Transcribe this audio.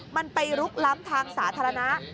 มันไปลุกล้ำทางสาธารณะ